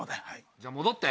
じゃあ戻って。